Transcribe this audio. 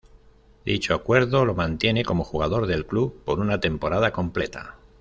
Dicho acuerdo lo mantiene como jugador del club por una temporada completa.